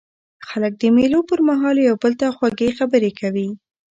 خلک د مېلو پر مهال یو بل ته خوږې خبري کوي.